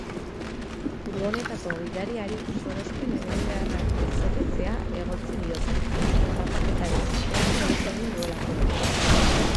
Furgonetako gidariari sorospen-eginbeharra ez betetzea egotzi diote, harrapaketaren ostean ihes egin duelako.